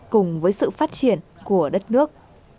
cùng với sự phát triển của đất nước